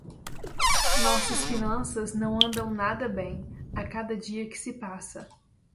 Nossas finanças não andam nada bem, a cada dia que se passa.